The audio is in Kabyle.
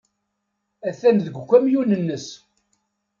Atan deg ukamyun-nnes.